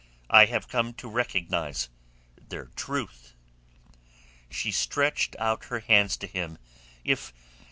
I have come to recognize their truth." She stretched out her hands to him. "If...